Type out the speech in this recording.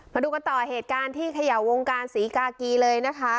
มาดูกันต่อเหตุการณ์ที่เขย่าวงการศรีกากีเลยนะคะ